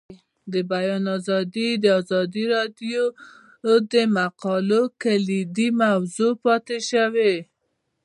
د بیان آزادي د ازادي راډیو د مقالو کلیدي موضوع پاتې شوی.